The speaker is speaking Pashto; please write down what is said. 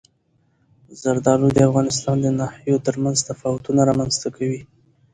زردالو د افغانستان د ناحیو ترمنځ تفاوتونه رامنځته کوي.